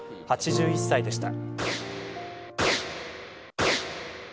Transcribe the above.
８１歳でした。